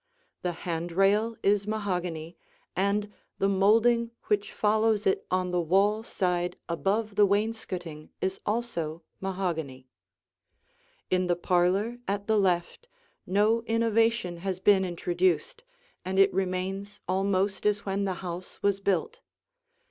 The hand rail is mahogany, and the molding which follows it on the wall side above the wainscoting is also mahogany. [Illustration: The Parlor] In the parlor at the left no innovation has been introduced, and it remains almost as when the house was built.